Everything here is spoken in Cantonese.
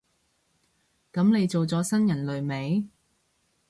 噉你做咗新人類未？